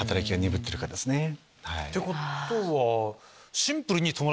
ってことは。